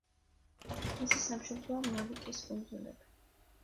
მისი სამშობლოა მოლუკის კუნძულები.